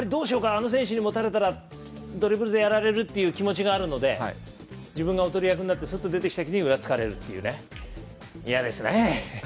あの選手にもたれたらドリブルでやられるって気持ちがあるので自分がおとり役になってすっと出てきた時に使われるという、嫌ですね。